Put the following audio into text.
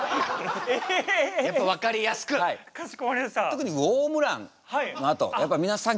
特にウオームランのあとやっぱり皆さん